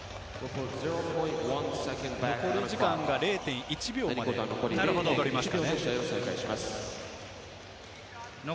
残り時間が０．１秒まで戻りますか。